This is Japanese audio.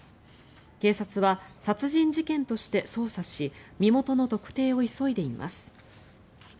警察は殺人事件として捜査し身元の特定を急いでいます。